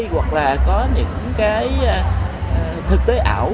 hoặc là có những thực tế ảo